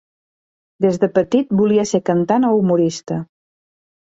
Des de petit volia ser cantant o humorista.